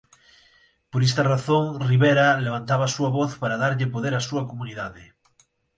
Por esta razón Rivera levantaba a súa voz para darlle poder á súa comunidade.